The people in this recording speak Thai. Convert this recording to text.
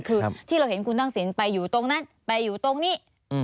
คือที่เราเห็นคุณทักษิณไปอยู่ตรงนั้นไปอยู่ตรงนี้